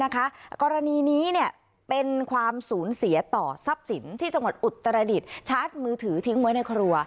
กรณีนี้เป็นความสูญเสียต่อทรัพย์สินที่จังหวัดอุตรดิษฐ์ชาร์จมือถือทิ้งไว้ในครัว